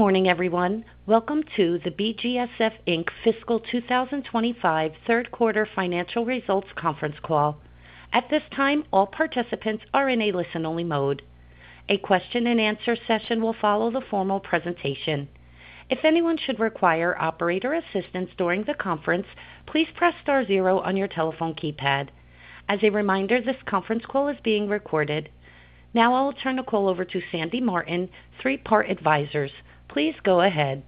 Good morning, everyone. Welcome to the BGSF, Inc. Fiscal 2025 third quarter financial results conference call. At this time, all participants are in a listen-only mode. A question and answer session will follow the formal presentation. If anyone should require operator assistance during the conference, please press star zero on your telephone keypad. As a reminder, this conference call is being recorded. Now I'll turn the call over to Sandy Martin, Three Part Advisors. Please go ahead.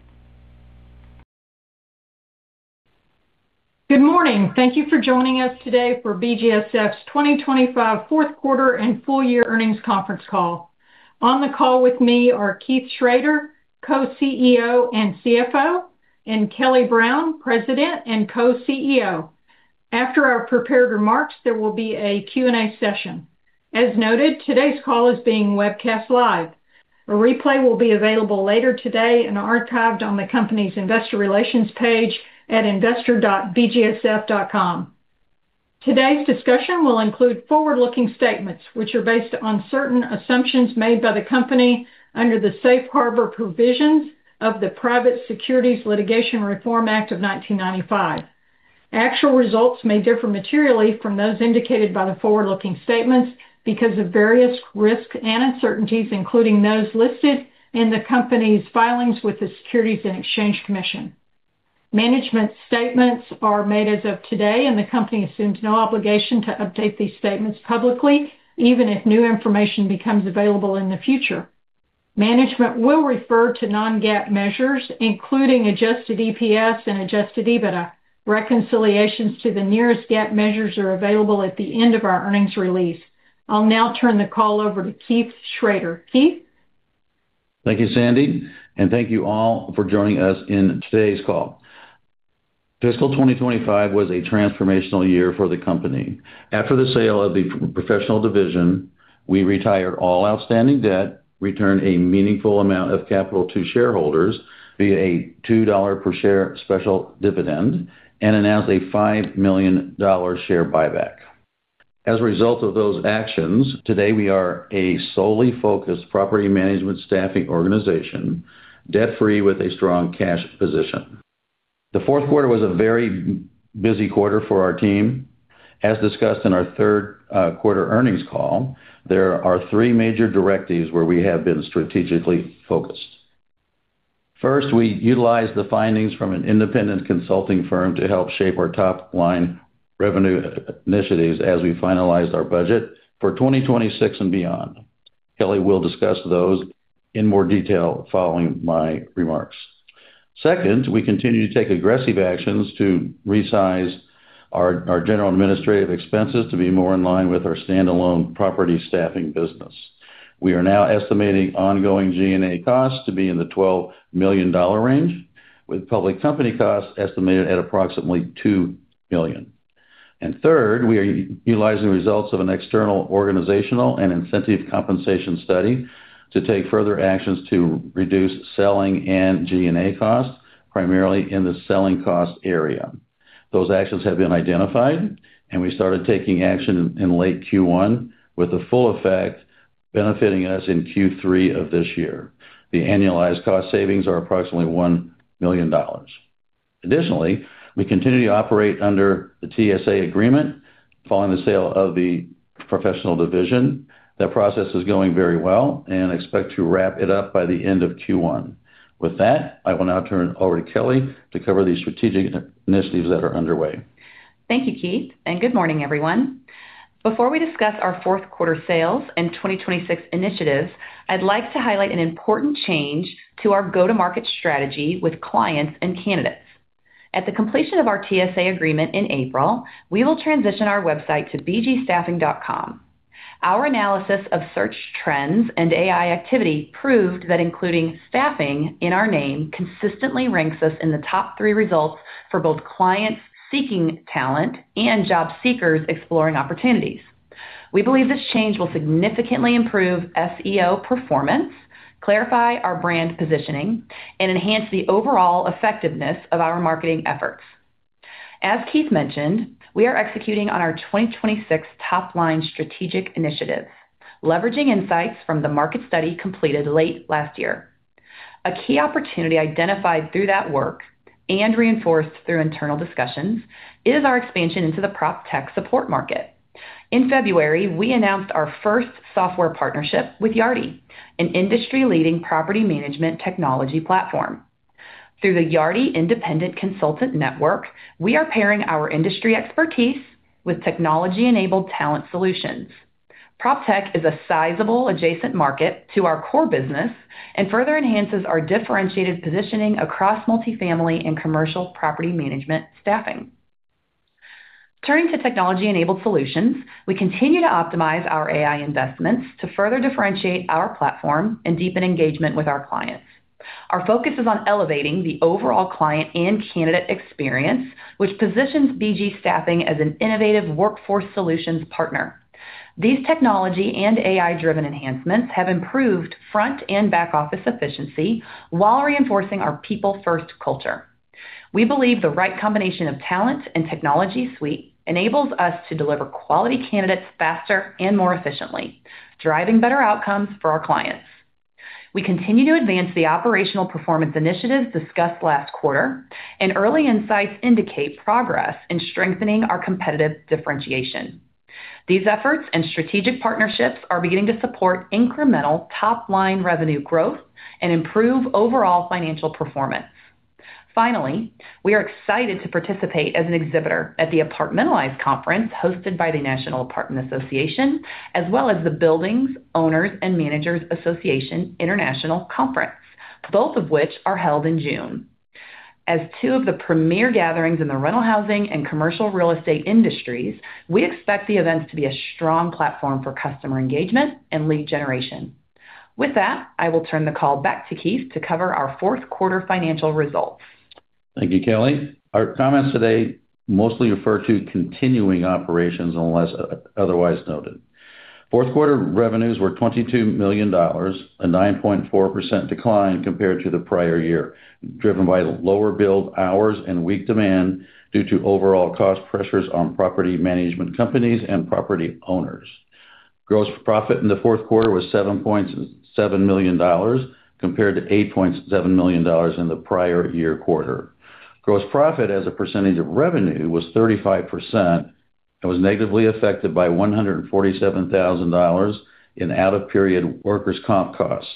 Good morning. Thank you for joining us today for BGSF's 2025 fourth quarter and full year earnings conference call. On the call with me are Keith Schroeder, CFO, and Kelly Brown, President and Co-CEO. After our prepared remarks, there will be a Q&A session. As noted, today's call is being webcast live. A replay will be available later today and archived on the company's investor relations page at investor.bgsf.com. Today's discussion will include forward-looking statements which are based on certain assumptions made by the company under the safe harbor provisions of the Private Securities Litigation Reform Act of 1995. Actual results may differ materially from those indicated by the forward-looking statements because of various risks and uncertainties, including those listed in the company's filings with the Securities and Exchange Commission. Management statements are made as of today, and the company assumes no obligation to update these statements publicly, even if new information becomes available in the future. Management will refer to non-GAAP measures, including adjusted EPS and adjusted EBITDA. Reconciliations to the nearest GAAP measures are available at the end of our earnings release. I'll now turn the call over to Keith Schroeder. Keith. Thank you, Sandy, and thank you all for joining us in today's call. Fiscal 2025 was a transformational year for the company. After the sale of the professional division, we retired all outstanding debt, returned a meaningful amount of capital to shareholders via a $2 per share special dividend, and announced a $5 million share buyback. As a result of those actions, today we are a solely focused property management staffing organization, debt-free with a strong cash position. The fourth quarter was a very busy quarter for our team. As discussed in our third quarter earnings call, there are three major directives where we have been strategically focused. First, we utilized the findings from an independent consulting firm to help shape our top-line revenue initiatives as we finalized our budget for 2026 and beyond. Kelly will discuss those in more detail following my remarks. Second, we continue to take aggressive actions to resize our general administrative expenses to be more in line with our standalone property staffing business. We are now estimating ongoing G&A costs to be in the $12 million range, with public company costs estimated at approximately $2 million. Third, we are utilizing results of an external organizational and incentive compensation study to take further actions to reduce SG&A costs, primarily in the selling cost area. Those actions have been identified, and we started taking action in late Q1 with the full effect benefiting us in Q3 of this year. The annualized cost savings are approximately $1 million. Additionally, we continue to operate under the TSA agreement following the sale of the professional division. That process is going very well and expect to wrap it up by the end of Q1. With that, I will now turn it over to Kelly to cover the strategic initiatives that are underway. Thank you, Keith, and good morning, everyone. Before we discuss our fourth quarter sales and 2026 initiatives, I'd like to highlight an important change to our go-to-market strategy with clients and candidates. At the completion of our TSA agreement in April, we will transition our website to BGStaffing.com. Our analysis of search trends and AI activity proved that including staffing in our name consistently ranks us in the top three results for both clients seeking talent and job seekers exploring opportunities. We believe this change will significantly improve SEO performance, clarify our brand positioning, and enhance the overall effectiveness of our marketing efforts. As Keith mentioned, we are executing on our 2026 top-line strategic initiatives, leveraging insights from the market study completed late last year. A key opportunity identified through that work and reinforced through internal discussions is our expansion into the PropTech support market. In February, we announced our first software partnership with Yardi, an industry-leading property management technology platform. Through the Yardi Independent Consultant Network, we are pairing our industry expertise with technology-enabled talent solutions. PropTech is a sizable adjacent market to our core business and further enhances our differentiated positioning across multifamily and commercial property management staffing. Turning to technology-enabled solutions, we continue to optimize our AI investments to further differentiate our platform and deepen engagement with our clients. Our focus is on elevating the overall client and candidate experience, which positions BG Staffing as an innovative workforce solutions partner. These technology and AI-driven enhancements have improved front and back office efficiency while reinforcing our people-first culture. We believe the right combination of talent and technology suite enables us to deliver quality candidates faster and more efficiently, driving better outcomes for our clients. We continue to advance the operational performance initiatives discussed last quarter, and early insights indicate progress in strengthening our competitive differentiation. These efforts and strategic partnerships are beginning to support incremental top-line revenue growth and improve overall financial performance. Finally, we are excited to participate as an exhibitor at Apartmentalize hosted by the National Apartment Association, as well as the Building Owners and Managers Association International Conference, both of which are held in June. As two of the premier gatherings in the rental housing and commercial real estate industries, we expect the events to be a strong platform for customer engagement and lead generation. With that, I will turn the call back to Keith to cover our fourth quarter financial results. Thank you, Kelly. Our comments today mostly refer to continuing operations unless otherwise noted. Fourth quarter revenues were $22 million, a 9.4% decline compared to the prior year, driven by the lower billable hours and weak demand due to overall cost pressures on property management companies and property owners. Gross profit in the fourth quarter was $7.7 million compared to $8.7 million in the prior year quarter. Gross profit as a percentage of revenue was 35% and was negatively affected by $147,000 in out-of-period workers' comp costs.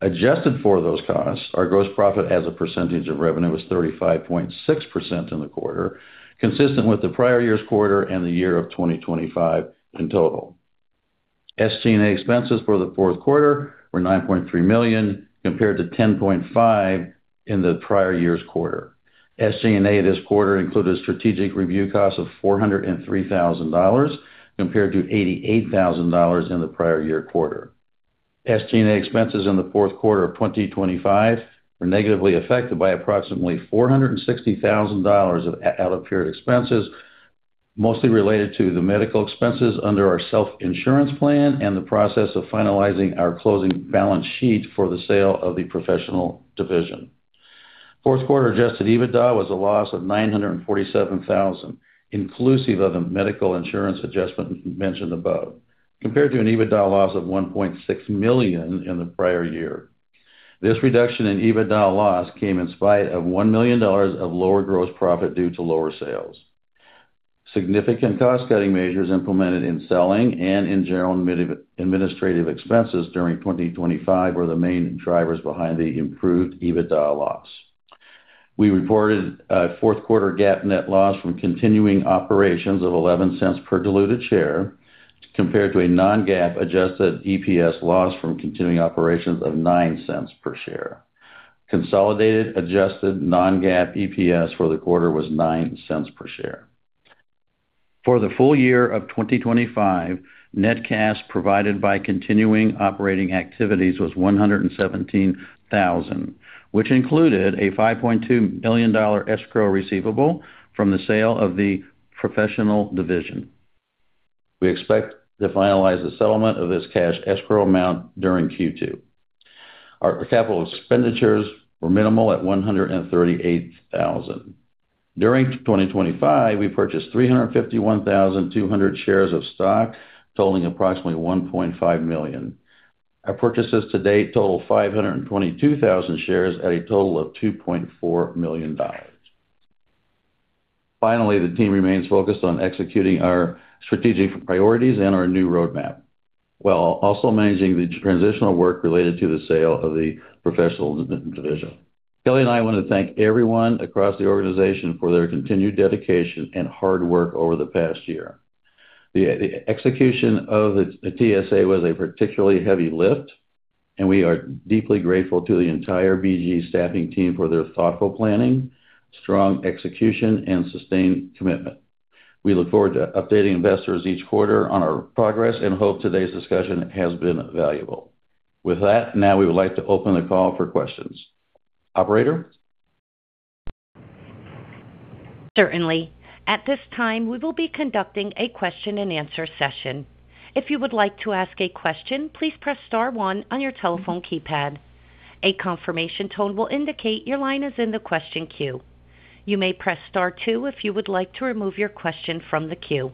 Adjusted for those costs, our gross profit as a percentage of revenue was 35.6% in the quarter, consistent with the prior year's quarter and the year of 2025 in total. SG&A expenses for the fourth quarter were $9.3 million compared to $10.5 million in the prior year's quarter. SG&A this quarter included strategic review costs of $403 thousand compared to $88 thousand in the prior year quarter. SG&A expenses in the fourth quarter of 2025 were negatively affected by approximately $460 thousand of out-of-period expenses, mostly related to the medical expenses under our self-insurance plan and the process of finalizing our closing balance sheet for the sale of the professional division. Fourth quarter adjusted EBITDA was a loss of $947 thousand, inclusive of a medical insurance adjustment mentioned above, compared to an EBITDA loss of $1.6 million in the prior year. This reduction in EBITDA loss came in spite of $1 million of lower gross profit due to lower sales. Significant cost-cutting measures implemented in selling, general, and administrative expenses during 2025 were the main drivers behind the improved EBITDA loss. We reported fourth quarter GAAP net loss from continuing operations of $0.11 per diluted share, compared to a non-GAAP adjusted EPS loss from continuing operations of $0.09 per share. Consolidated adjusted non-GAAP EPS for the quarter was $0.09 per share. For the full year of 2025, net cash provided by continuing operating activities was $117,000, which included a $5.2 million escrow receivable from the sale of the professional division. We expect to finalize the settlement of this cash escrow amount during Q2. Our capital expenditures were minimal at $138,000. During 2025, we purchased 351,200 shares of stock, totaling approximately $1.5 million. Our purchases to date total 522,000 shares at a total of $2.4 million. Finally, the team remains focused on executing our strategic priorities and our new roadmap, while also managing the transitional work related to the sale of the professional division. Kelly and I want to thank everyone across the organization for their continued dedication and hard work over the past year. The execution of the TSA was a particularly heavy lift and we are deeply grateful to the entire BG Staffing team for their thoughtful planning, strong execution, and sustained commitment. We look forward to updating investors each quarter on our progress and hope today's discussion has been valuable. With that, now we would like to open the call for questions. Operator? Certainly. At this time, we will be conducting a question-and-answer session. If you would like to ask a question, please press star one on your telephone keypad. A confirmation tone will indicate your line is in the question queue. You may press star two if you would like to remove your question from the queue.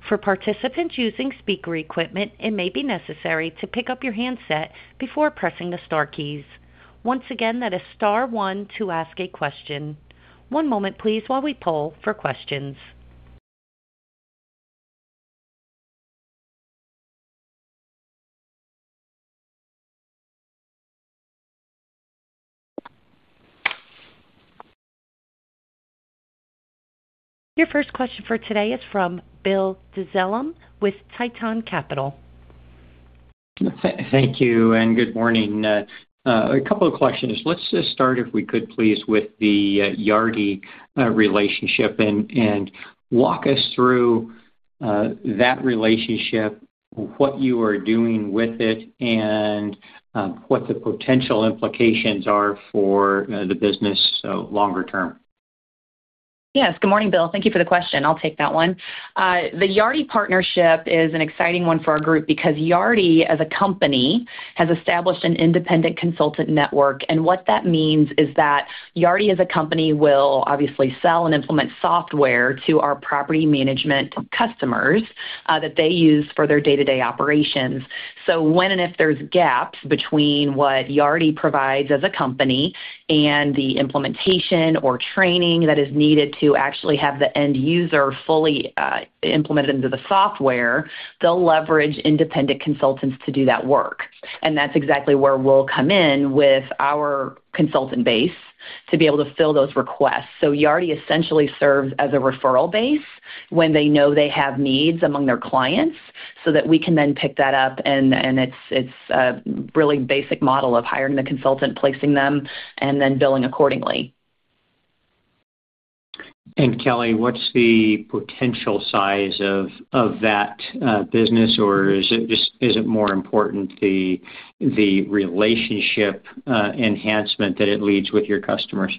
For participants using speaker equipment, it may be necessary to pick up your handset before pressing the star keys. Once again, that is star one to ask a question. One moment please while we poll for questions. Your first question for today is from William Dezellem with Tieton Capital. Thank you, and good morning. A couple of questions. Let's just start, if we could please, with the Yardi relationship and walk us through that relationship, what you are doing with it, and what the potential implications are for the business longer term. Yes. Good morning, William. Thank you for the question. I'll take that one. The Yardi partnership is an exciting one for our group because Yardi as a company has established an independent consultant network. What that means is that Yardi as a company will obviously sell and implement software to our property management customers that they use for their day-to-day operations. When and if there's gaps between what Yardi provides as a company and the implementation or training that is needed to actually have the end user fully implemented into the software, they'll leverage independent consultants to do that work. That's exactly where we'll come in with our consultant base to be able to fill those requests. Yardi essentially serves as a referral base when they know they have needs among their clients so that we can then pick that up. It's a really basic model of hiring the consultant, placing them, and then billing accordingly. Kelly, what's the potential size of that business? Or is it just more important, the relationship enhancement that it leads with your customers?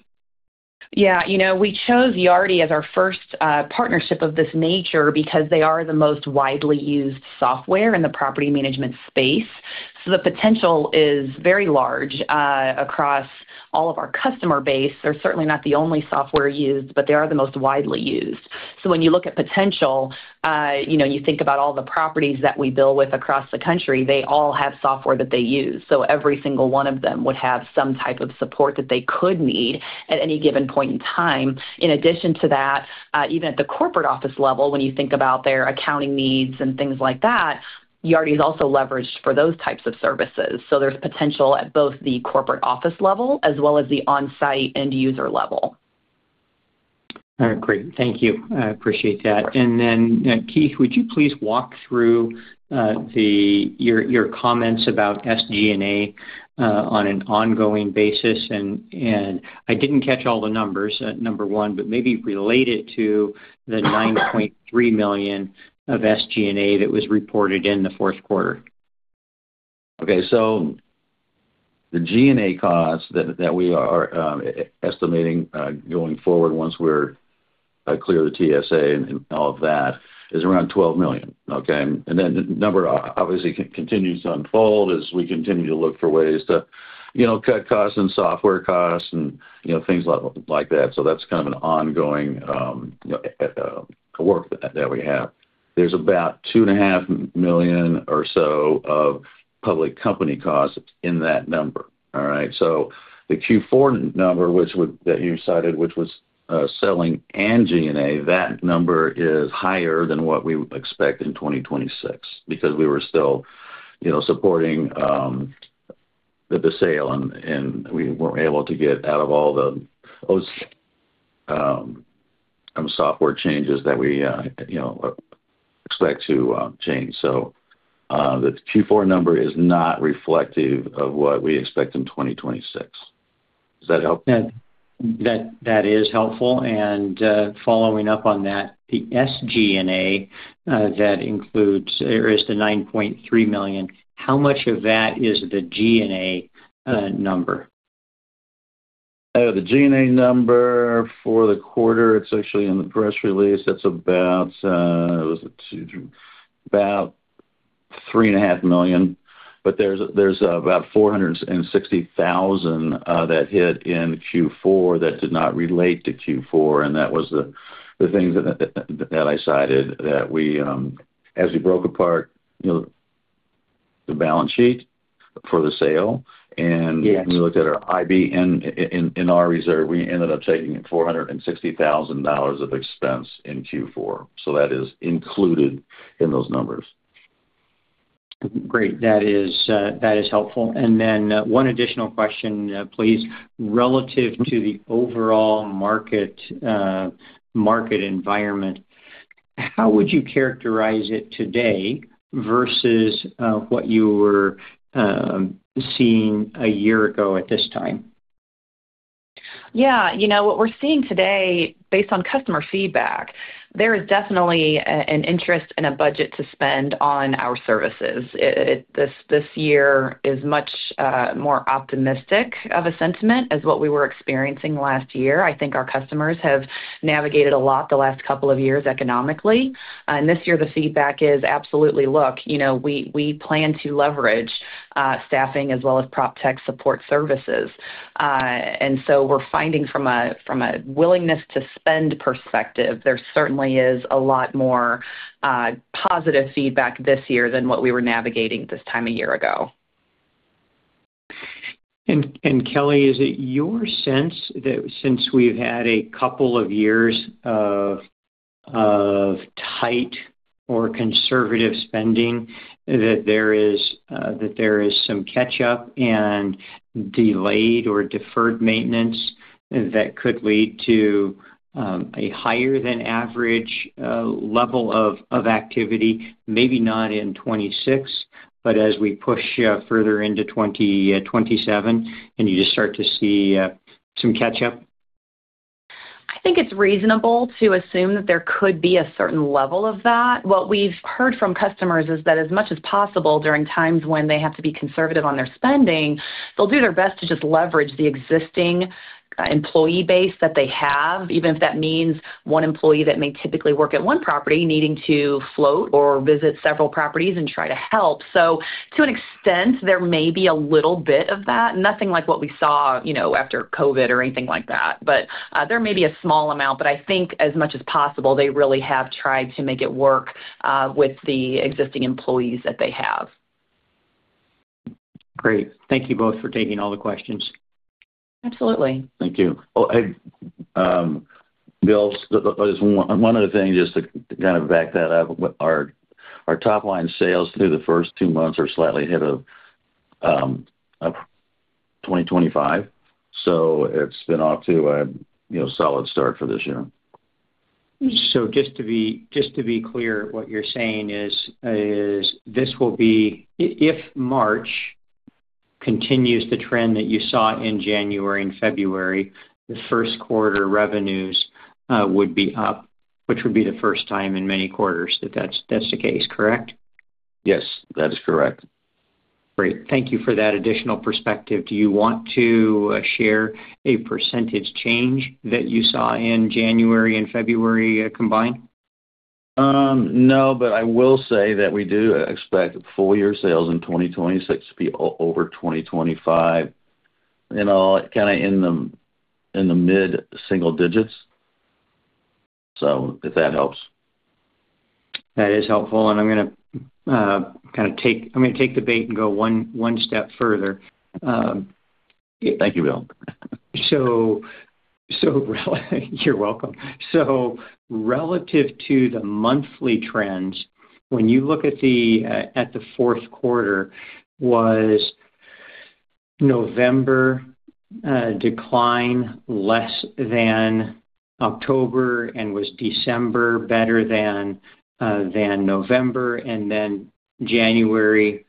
Yeah. You know, we chose Yardi as our first, partnership of this nature because they are the most widely used software in the property management space. The potential is very large, across all of our customer base. They're certainly not the only software used, but they are the most widely used. When you look at potential, you know, you think about all the properties that we build with across the country, they all have software that they use. Every single one of them would have some type of support that they could need at any given point in time. In addition to that, even at the corporate office level, when you think about their accounting needs and things like that, Yardi is also leveraged for those types of services. There's potential at both the corporate office level as well as the on-site end user level. All right, great. Thank you. I appreciate that. Keith, would you please walk through your comments about SG&A on an ongoing basis? I didn't catch all the numbers, number one, but maybe relate it to the $9.3 million of SG&A that was reported in the fourth quarter. Okay. The G&A costs that we are estimating going forward once we're clear the TSA and all of that is around $12 million, okay? Then the number obviously continues to unfold as we continue to look for ways to, you know, cut costs and software costs and, you know, things like that. That's kind of an ongoing work that we have. There's about $2.5 million or so of public company costs in that number. All right? The Q4 number that you cited, which was SG&A, that number is higher than what we expect in 2026 because we were still, you know, supporting the sale and we weren't able to get out of all those software changes that we, you know, expect to change. The Q4 number is not reflective of what we expect in 2026. Does that help? Yeah. That is helpful. Following up on that, the SG&A that includes or is the $9.3 million, how much of that is the G&A number? The G&A number for the quarter, it's actually in the press release. It's about $3.5 million, but there's about $460,000 that hit in Q4 that did not relate to Q4, and that was the things that I cited that we, as we broke apart, you know, the balance sheet for the sale. Yes. We looked at our IBNR and in our reserve, we ended up taking $460,000 of expense in Q4. That is included in those numbers. Great. That is helpful. One additional question, please. Relative to the overall market environment, how would you characterize it today versus what you were seeing a year ago at this time? Yeah. You know, what we're seeing today, based on customer feedback, there is definitely an interest and a budget to spend on our services. This year is much more optimistic of a sentiment as what we were experiencing last year. I think our customers have navigated a lot the last couple of years economically. This year the feedback is absolutely, look, you know, we plan to leverage staffing as well as PropTech support services. We're finding from a willingness to spend perspective, there certainly is a lot more positive feedback this year than what we were navigating this time a year ago. Kelly, is it your sense that since we've had a couple of years of tight or conservative spending, that there is some catch up and delayed or deferred maintenance that could lead to a higher than average level of activity, maybe not in 2026, but as we push further into 2027 and you just start to see some catch-up? I think it's reasonable to assume that there could be a certain level of that. What we've heard from customers is that as much as possible during times when they have to be conservative on their spending, they'll do their best to just leverage the existing employee base that they have, even if that means one employee that may typically work at one property needing to float or visit several properties and try to help. To an extent, there may be a little bit of that. Nothing like what we saw, you know, after COVID or anything like that. There may be a small amount, but I think as much as possible, they really have tried to make it work with the existing employees that they have. Great. Thank you both for taking all the questions. Absolutely. Thank you. Oh, William, there's one other thing, just to kind of back that up. Our top-line sales through the first two months are slightly ahead of 2025, so it's been off to a you know solid start for this year. Just to be clear, what you're saying is this will be if March continues the trend that you saw in January and February, the first quarter revenues would be up, which would be the first time in many quarters that that's the case, correct? Yes, that is correct. Great. Thank you for that additional perspective. Do you want to share a percentage change that you saw in January and February, combined? No, but I will say that we do expect full-year sales in 2026 to be over 2025, you know, kinda in the mid-single digits. If that helps. That is helpful, and I'm gonna take the bait and go one step further. Thank you, William. You're welcome. Relative to the monthly trends, when you look at the fourth quarter, was November decline less than October, and was December better than November, and then January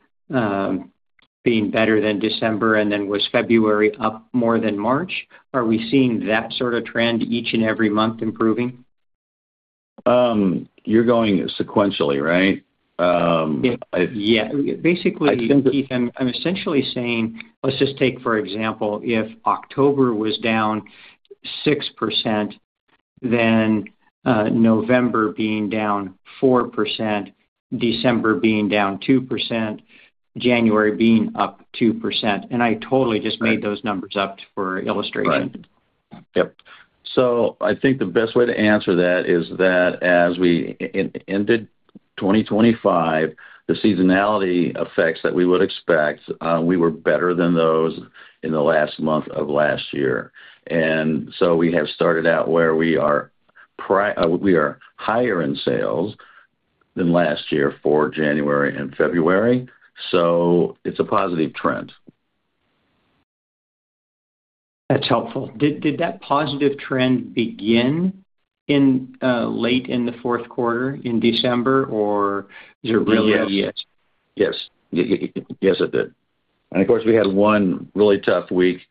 being better than December, and then was February up more than March? Are we seeing that sort of trend each and every month improving? You're going sequentially, right? Yeah. Basically, Keith, I'm essentially saying let's just take, for example, if October was down 6%, then November being down 4%, December being down 2%, January being up 2%. I totally just made those numbers up for illustration. Right. Yep. I think the best way to answer that is that as we ended 2025, the seasonality effects that we would expect, we were better than those in the last month of last year. We have started out where we are higher in sales than last year for January and February, so it's a positive trend. That's helpful. Did that positive trend begin in late in the fourth quarter in December or is it really- Yes. Yes. Yes. Yes, it did. Of course, we had one really tough week,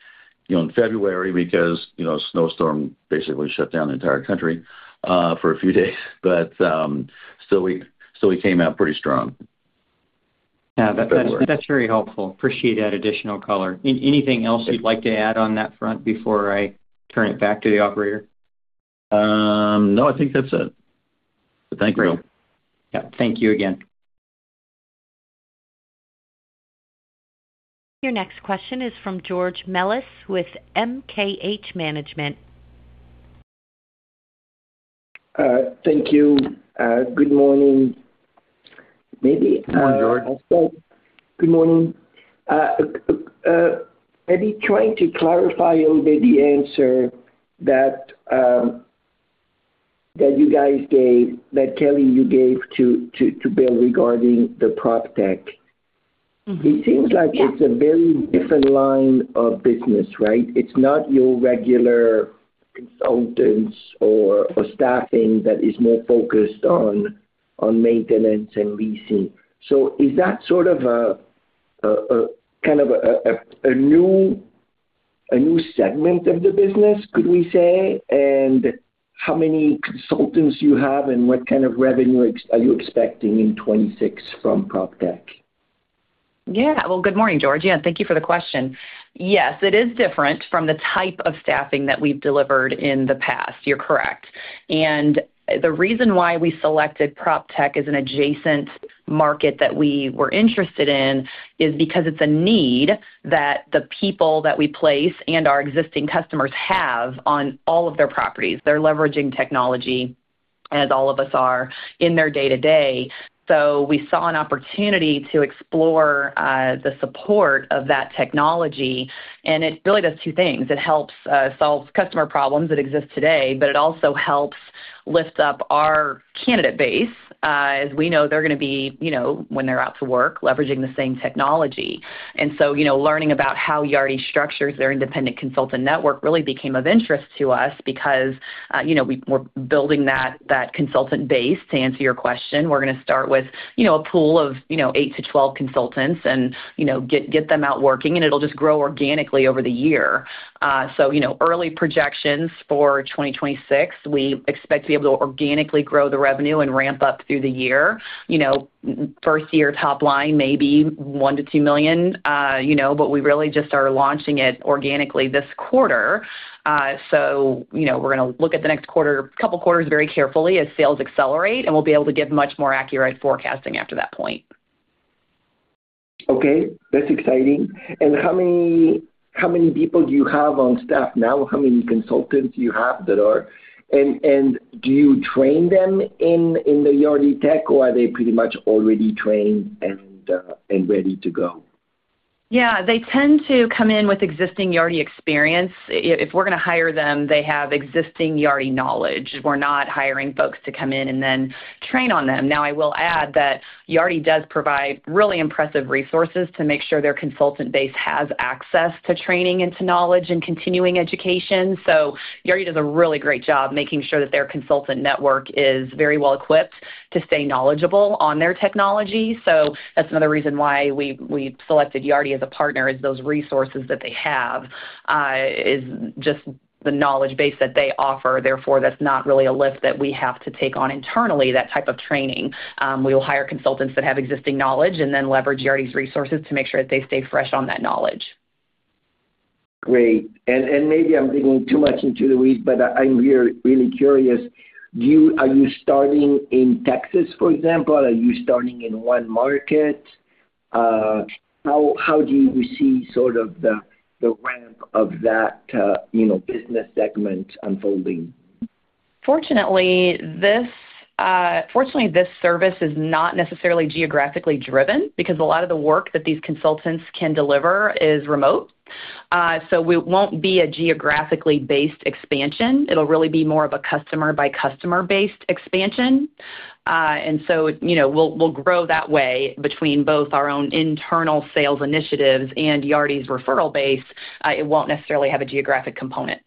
you know, in February because, you know, a snowstorm basically shut down the entire country for a few days. Still we came out pretty strong in February. Yeah, that's very helpful. Appreciate that additional color. Anything else you'd like to add on that front before I turn it back to the operator? No, I think that's it. Thank you. Great. Yeah, thank you again. Your next question is from George Melis with MKH Management. Thank you. Good morning. Good morning, George. Good morning. Maybe trying to clarify on the answer that you guys gave, that Kelly you gave to William regarding PropTech. Mm-hmm. Yeah. It seems like it's a very different line of business, right? It's not your regular consultants or staffing that is more focused on maintenance and leasing. Is that sort of a kind of a new segment of the business, could we say? And how many consultants you have, and what kind of revenue are you expecting in 2026 from PropTech? Yeah. Well, good morning, George. Yeah. Thank you for the question. Yes, it is different from the type of staffing that we've delivered in the past. You're correct. The reason why we selected PropTech as an adjacent market that we were interested in is because it's a need that the people that we place and our existing customers have on all of their properties. They're leveraging technology, as all of us are, in their day-to-day. We saw an opportunity to explore the support of that technology, and it really does two things. It helps solve customer problems that exist today, but it also helps lift up our candidate base, as we know they're gonna be, you know, when they're out to work, leveraging the same technology. You know, learning about how Yardi structures their independent consultant network really became of interest to us because, you know, we're building that consultant base. To answer your question, we're gonna start with, you know, a pool of, you know, 8-12 consultants and, you know, get them out working, and it'll just grow organically over the year. You know, early projections for 2026, we expect to be able to organically grow the revenue and ramp up through the year. You know, first year top line may be $1 million-$2 million, you know, but we really just are launching it organically this quarter. You know, we're gonna look at the next quarter, couple quarters very carefully as sales accelerate, and we'll be able to give much more accurate forecasting after that point. Okay, that's exciting. How many people do you have on staff now? How many consultants do you have? Do you train them in Yardi tech, or are they pretty much already trained and ready to go? Yeah. They tend to come in with existing Yardi experience. If we're gonna hire them, they have existing Yardi knowledge. We're not hiring folks to come in and then train on them. Now, I will add that Yardi does provide really impressive resources to make sure their consultant base has access to training and to knowledge and continuing education. Yardi does a really great job making sure that their consultant network is very well equipped to stay knowledgeable on their technology. That's another reason why we selected Yardi as a partner, those resources that they have, the knowledge base that they offer. Therefore, that's not really a lift that we have to take on internally, that type of training. We will hire consultants that have existing knowledge and then leverage Yardi's resources to make sure that they stay fresh on that knowledge. Great. Maybe I'm digging too much into the weeds, but I'm really curious. Are you starting in Texas, for example? Are you starting in one market? How do you see sort of the ramp of that, you know, business segment unfolding? Fortunately, this service is not necessarily geographically driven because a lot of the work that these consultants can deliver is remote. We won't be a geographically-based expansion. It'll really be more of a customer-by-customer based expansion. You know, we'll grow that way between both our own internal sales initiatives and Yardi's referral base. It won't necessarily have a geographic component.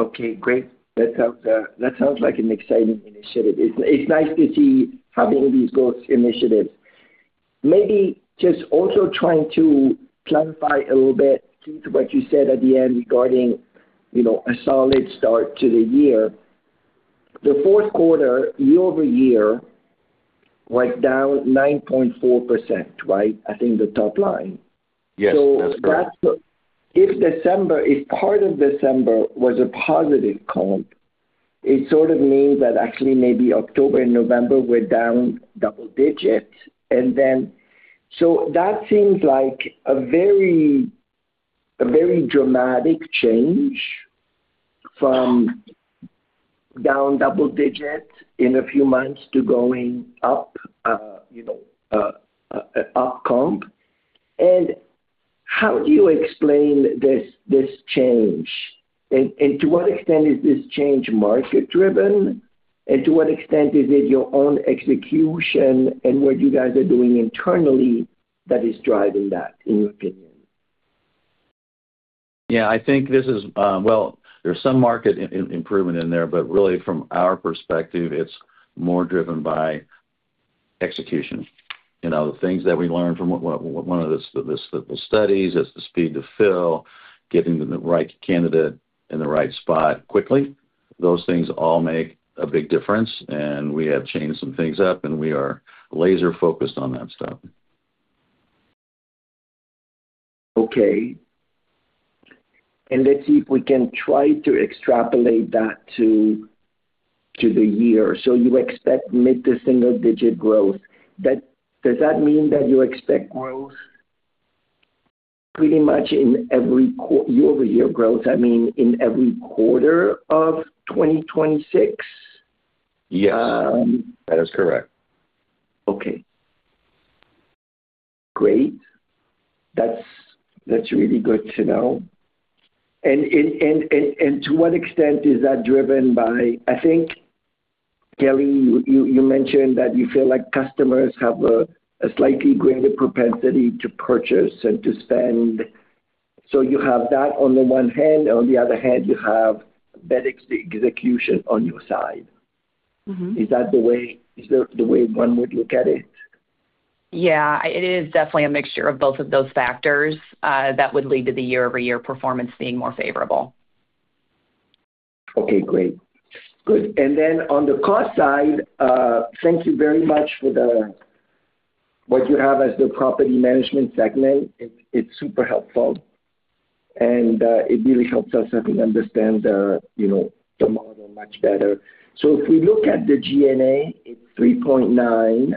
Okay, great. That sounds like an exciting initiative. It's nice to see having these growth initiatives. Maybe just also trying to clarify a little bit to what you said at the end regarding, you know, a solid start to the year. The fourth quarter year-over-year was down 9.4%, right? I think the top line. Yes, that's correct. If part of December was a positive comp, it sort of means that actually maybe October and November were down double digits. That seems like a very dramatic change from down double digits in a few months to going up, you know, up comp. How do you explain this change? To what extent is this change market driven? To what extent is it your own execution and what you guys are doing internally that is driving that, in your opinion? Yeah. I think this is, well, there's some market improvement in there, but really from our perspective, it's more driven by execution. You know, the things that we learned from one of the studies is the speed to fill, getting the right candidate in the right spot quickly. Those things all make a big difference, and we have changed some things up, and we are laser-focused on that stuff. Okay. Let's see if we can try to extrapolate that to the year. You expect mid- to single-digit growth. Does that mean that you expect growth pretty much in every year-over-year growth, I mean, in every quarter of 2026? Yes. Um. That is correct. Okay. Great. That's really good to know. To what extent is that driven by I think, Kelly, you mentioned that you feel like customers have a slightly greater propensity to purchase and to spend. You have that on the one hand. On the other hand, you have better execution on your side. Mm-hmm. Is that the way one would look at it? Yeah. It is definitely a mixture of both of those factors, that would lead to the year-over-year performance being more favorable. Okay, great. Good. Then on the cost side, thank you very much for what you have as the property management segment. It's super helpful, and it really helps us, I think, understand the, you know, the model much better. If we look at the G&A, it's $3.9.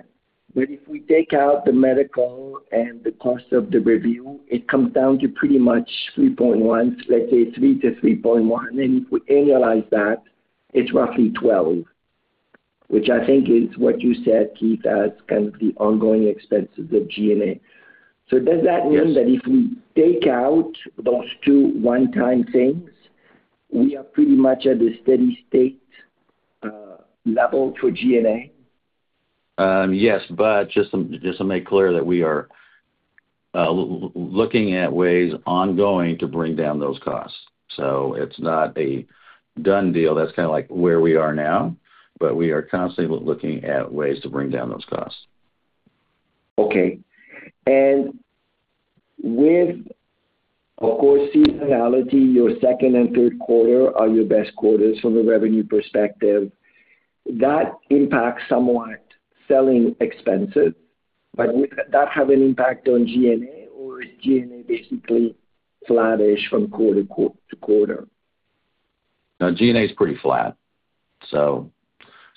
But if we take out the medical and the cost of the review, it comes down to pretty much $3.1, let's say $3-$3.1. If we annualize that, it's roughly $12, which I think is what you said, Keith, as kind of the ongoing expenses of G&A. Does that mean- Yes. That if we take out those two one-time things, we are pretty much at a steady-state level for G&A? Yes. Just to make clear that we are looking at ways ongoing to bring down those costs. It's not a done deal. That's kinda like where we are now, but we are constantly looking at ways to bring down those costs. Okay. With, of course, seasonality, your second and third quarter are your best quarters from a revenue perspective. That impacts somewhat selling expenses. Would that have an impact on G&A, or is G&A basically flattish from quarter to quarter to quarter? No, G&A is pretty flat.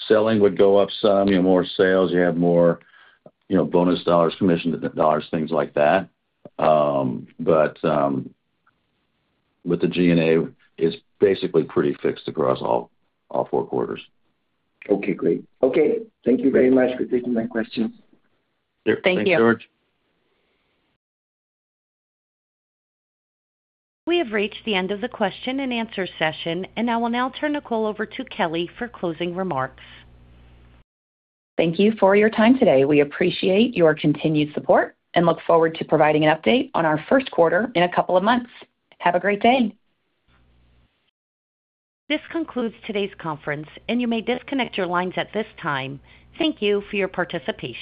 Selling would go up some. You have more sales, you have more, you know, bonus dollars, commission dollars, things like that. With the G&A, it's basically pretty fixed across all four quarters. Okay, great. Okay, thank you very much for taking my questions. Sure. Thank you. Thanks, George. We have reached the end of the question and answer session, and I will now turn the call over to Kelly for closing remarks. Thank you for your time today. We appreciate your continued support and look forward to providing an update on our first quarter in a couple of months. Have a great day. This concludes today's conference, and you may disconnect your lines at this time. Thank you for your participation.